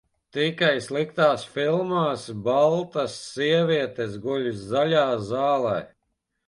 Tikai sliktās filmās baltas sievietes guļ zaļā zālē.